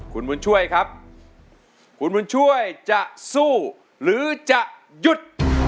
คุณบุญช่วยครับคุณบุญช่วยจะสู้หรือจะหยุด